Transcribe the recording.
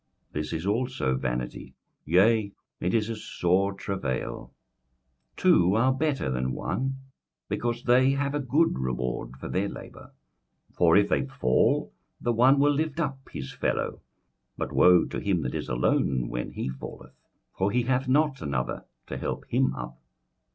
This is also vanity, yea, it is a sore travail. 21:004:009 Two are better than one; because they have a good reward for their labour. 21:004:010 For if they fall, the one will lift up his fellow: but woe to him that is alone when he falleth; for he hath not another to help him up.